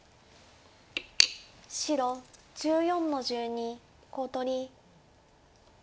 白１４の十二コウ取り。